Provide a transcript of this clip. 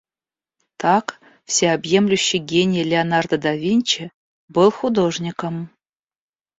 Так, всеобъемлющий гений Леонардо да Винчи был художником.